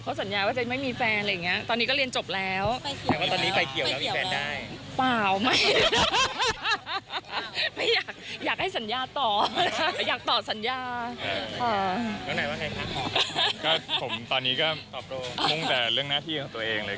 ก็ผมตอนนี้ก็มุ่งแต่เรื่องหน้าที่ของตัวเองเลย